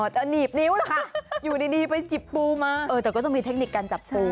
จะหนีบนิ้วล่ะค่ะอยู่ดีไปจิบปูมาแต่ก็ต้องมีเทคนิคการจับปู